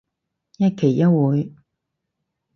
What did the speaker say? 一期一會